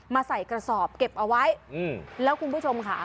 ใส่กระสอบเก็บเอาไว้แล้วคุณผู้ชมค่ะ